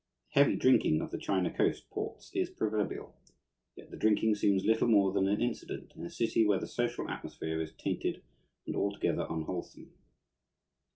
The heavy drinking of the China Coast ports is proverbial, yet the drinking seems little more than an incident in a city where the social atmosphere is tainted and altogether unwholesome.